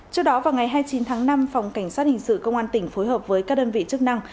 trước đó vào ngày hai mươi chín tháng năm phòng cảnh sát hình sự công an tỉnh phối hợp với các đơn vị chức năng